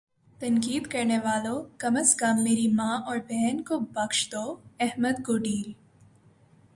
تنقید کرنے والو کم از کم میری ماں اور بہن کو بخش دو احمد گوڈیل